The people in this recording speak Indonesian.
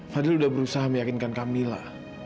fadil udah berusaha meyakinkan camilla